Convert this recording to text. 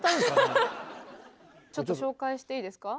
ちょっと紹介していいですか。